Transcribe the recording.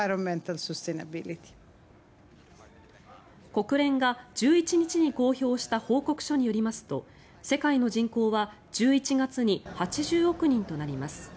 国連が１１日に公表した報告書によりますと世界の人口は１１月に８０億人となります。